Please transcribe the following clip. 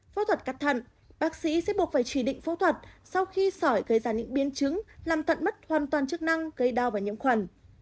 phẫu thuật cắt thận bác sĩ sẽ buộc phải chỉ định phẫu thuật sau khi sỏi gây ra những biến chứng làm tận mất hoàn toàn chức năng gây đau và nhiễm khuẩn